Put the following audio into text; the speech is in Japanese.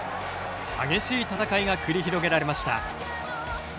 激しい戦いが繰り広げられました。